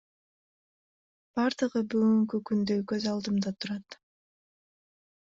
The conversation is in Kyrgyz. Бардыгы бүгүнкү күндөгүдөй көз алдымда турат.